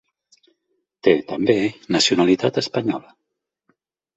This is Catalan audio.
Té també nacionalitat espanyola.